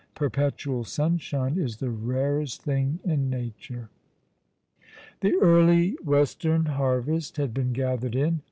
"Perpetual sunshine is the rarest thing in Nature." The early western harvest had been gathered in.